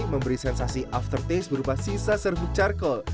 memberi sensasi after taste berupa sisa serbuk charcol